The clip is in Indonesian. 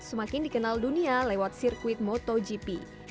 semakin dikenal dunia lewat sirkuit motogp